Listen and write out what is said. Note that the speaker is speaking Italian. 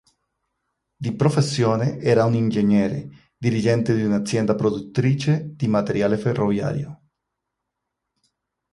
Di professione era un ingegnere, dirigente di un'azienda produttrice di materiale ferroviario.